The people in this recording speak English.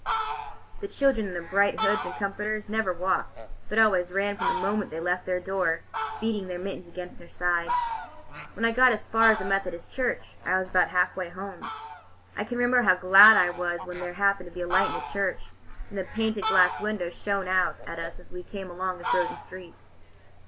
The children, in their bright hoods and comforters, never walked, but always ran from the moment they left their door, beating their mittens against their sides. When I got as far as the Methodist Church, I was about halfway home. I can remember how glad I was when there happened to be a light in the church, and the painted glass window shone out at us as we came along the frozen street.